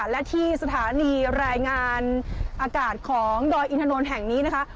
และที่สถานีรายงานอากาศของดอยอินทนนท์แห่งนี้นะคะ